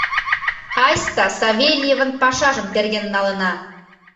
Айста Савельевын пашажым терген налына.